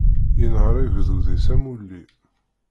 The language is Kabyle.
Yenḥeṛ agdud-is am ulli.